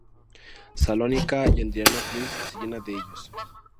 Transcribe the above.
Salónica y Adrianópolis se llena de ellos.